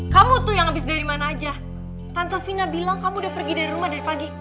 kamu tuh yang habis dari mana aja tante fina bilang kamu udah pergi dari rumah dari pagi